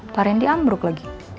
pak rendy ambruk lagi